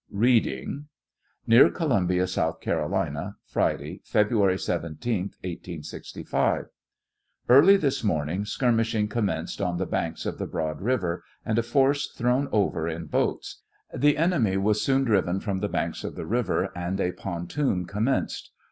(Beading:) Near Columbia, S. C, 1 Friday, February 17th, 1865. J Early this morning skirmishing commenced on the banks of the Broad river, and a force thrown over in boats. The enemy was soon driven from the banks of the river, and a pontoon commenced.